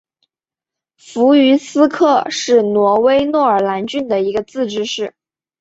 弗于斯克是挪威诺尔兰郡的一个自治市。